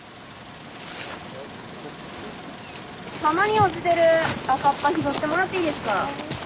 浜に落ちてる拾ってもらっていいですか？